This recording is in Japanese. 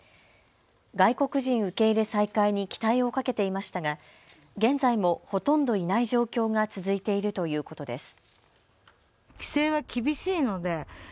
外国人受け入れ再開に期待をかけていましたが現在もほとんどいない状況が続いているということです。